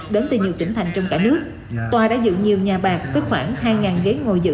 đến từ nhiều tỉnh thành trong cả nước tòa đã dựng nhiều nhà bạc với khoảng hai ghế ngồi giữ